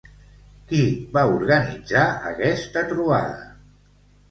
Qui va organitzar aquesta trobada?